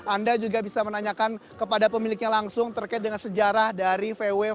anda juga bisa menanyakan kepada pemiliknya langsung terkait dengan sejarah dari vw vw yang ada disini